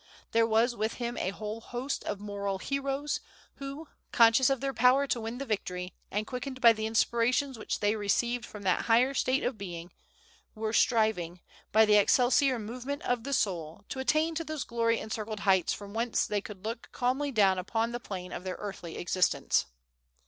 There was with him a whole host of moral heroes, who, conscious of their power to win the victory, and quickened by the inspirations which they received from that higher state of being, were striving, by the excelsior movement of the soul, to attain to those glory encircled heights from whence they could look calmly down upon the plane of their earthly existence.